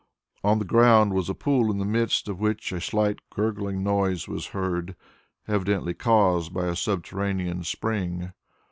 On the ground was a pool in the midst of which a slight gurgling noise was heard, evidently caused by a subterranean spring.